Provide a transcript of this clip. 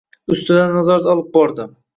Ustidan nazorat olib bordi